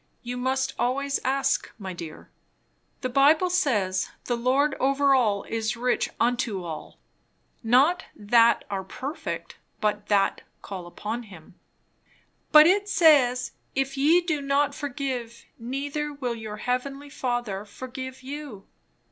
You must always ask, my dear. The Bible says, 'the Lord over all is rich unto all ' not, that are perfect, but 'that call upon him.'" "But it says, 'if ye do not forgive, neither will your heavenly Father forgive you.'"